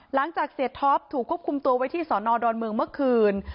หลังจากเสียท็อปถูกควบคุมตัวไว้ที่สอนอดอนเมืองเมื่อคืน